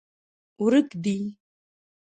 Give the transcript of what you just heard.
ورک دي